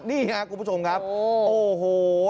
นี่ครับคุณผู้ชมครับโอ้โห